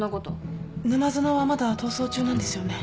沼園はまだ逃走中なんですよね。